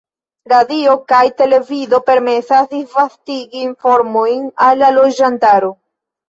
Radio kaj televido permesas disvastigi informojn al la loĝantaro.